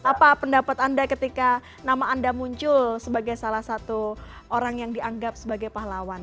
apa pendapat anda ketika nama anda muncul sebagai salah satu orang yang dianggap sebagai pahlawan